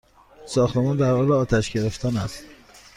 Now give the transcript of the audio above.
ساختمان در حال آتش گرفتن است!